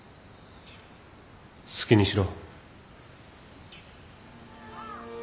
好きにしろ。